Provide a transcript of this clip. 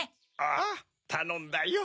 ああたのんだよ。